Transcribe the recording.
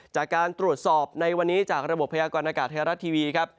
จากการตรวจสอบในวันนี้จากระบบพยากรณากาศไทยรัฐทีวีครับ